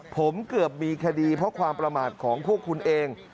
ผมเกือบมีคดีเพราะความประมาทของพวกคุณเอง